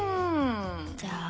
じゃあ。